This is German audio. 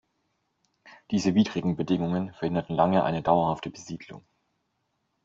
Diese widrigen Bedingungen verhinderten lange eine dauerhafte Besiedlung.